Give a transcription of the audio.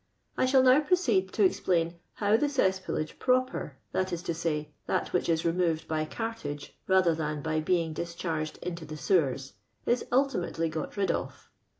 I shall now proceed to explain how the cesspoolage proper, that is to say, that which is removed by cartage rather than by being discharged into the sewers, is ultimately got rid of.